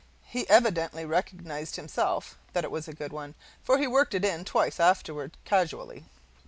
He evidently recognized, himself, that it was a good one, for he worked it in twice afterward, casually.